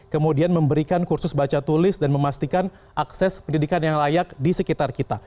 kemudian memberikan kursus baca tulis dan memastikan akses pendidikan yang layak di sekitar kita